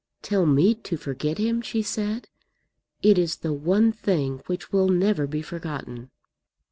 "Tell me to forget him!" she said. "It is the one thing which will never be forgotten."